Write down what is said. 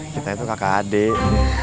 kita itu kakak adik